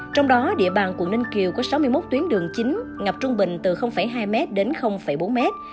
trong đó địa bàn quận ninh kiều có sáu mươi một tuyến đường chính ngập trung bình từ hai m đến bốn mét